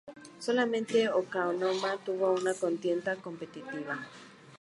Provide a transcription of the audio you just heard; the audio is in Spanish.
Solamente Oklahoma tuvo una contienda competitiva.